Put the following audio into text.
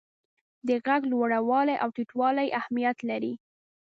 د ږغ لوړوالی او ټیټوالی اهمیت لري.